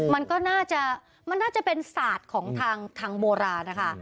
อ๋อมันก็น่าจะเป็นศาสตร์ของทางโบราณนะคะ